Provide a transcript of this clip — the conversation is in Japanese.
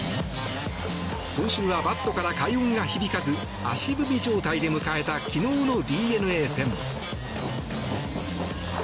今週はバットから快音が響かず足踏み状態で迎えた昨日のＤｅＮＡ戦。